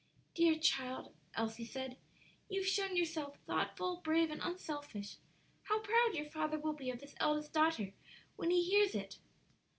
"Dear child," Elsie said, "you have shown yourself thoughtful, brave, and unselfish; how proud your father will be of his eldest daughter when he hears it!"